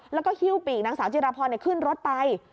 แล้วก็หิ้วปีกนางสาวจิรพรขึ้นรถไป